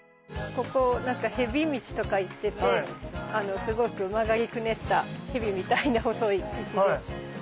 ここへび道とか言っててすごく曲がりくねったへびみたいな細い道で。